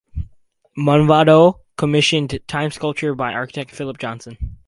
Movado commissioned "Time Sculpture" by architect Philip Johnson.